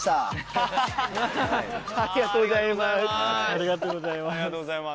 ハハハありがとうございます。